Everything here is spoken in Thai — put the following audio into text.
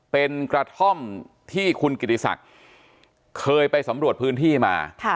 เป็นกระท่อมที่คุณกิติศักดิ์เคยไปสำรวจพื้นที่มา